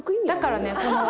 だからね